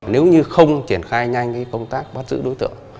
nếu như không triển khai nhanh công tác bắt giữ đối tượng